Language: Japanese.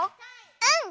うん。